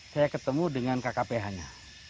saya ketemu dengan kkph nya